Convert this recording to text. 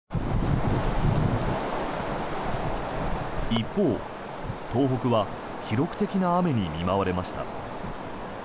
一方、東北は記録的な雨に見舞われました。